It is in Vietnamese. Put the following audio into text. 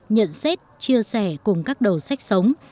nhận xét chia sẻ cùng các đầu sách sống